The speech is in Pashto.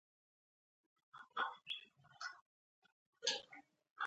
ایا زه دوز زیاتولی شم؟